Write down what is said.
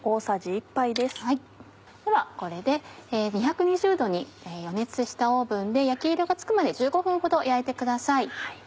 ではこれで２２０℃に予熱したオーブンで焼き色がつくまで１５分ほど焼いてください。